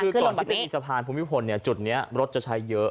คือก่อนที่จะมีสะพานภูมิพลจุดนี้รถจะใช้เยอะ